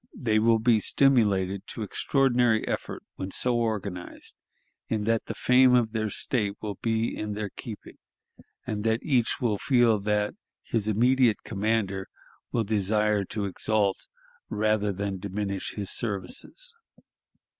They will be stimulated to extraordinary effort when so organized, in that the fame of their State will be in their keeping, and that each will feel that his immediate commander will desire to exalt rather than diminish his services.